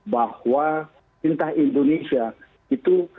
bahwa pintah indonesia itu